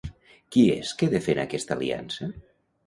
Qui és que defèn aquesta aliança?